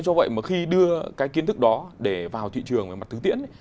do vậy mà khi đưa cái kiến thức đó để vào thị trường về mặt thực tiễn